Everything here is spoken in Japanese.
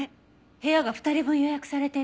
部屋が２人分予約されてる。